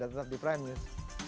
dan tetap di prime news